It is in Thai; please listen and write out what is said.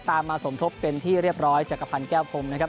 มาสมทบเป็นที่เรียบร้อยจักรพันธ์แก้วพรมนะครับ